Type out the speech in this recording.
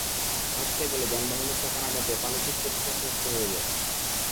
হাঁটতে গেলে যানবাহনের চাকার আঘাতে পানি ছিটকে পোশাক নষ্ট হয়ে যায়।